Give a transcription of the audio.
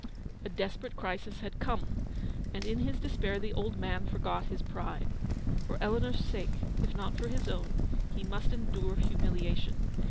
A desperate crisis had come, and in his despair the old man forgot his pride. For Eleanor's sake, if not for his own, he must endure humiliation.